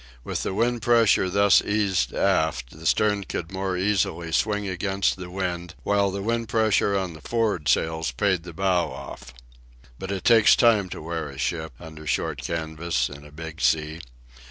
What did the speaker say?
With the wind pressure thus eased aft, the stern could more easily swing against the wind while the wind pressure on the for'ard sails paid the bow off. But it takes time to wear a ship, under short canvas, in a big sea.